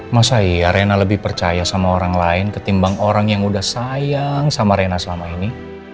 masa iya rena lebih percaya sama orang lain ketimbang orang yang udah sayang sama rena selama ini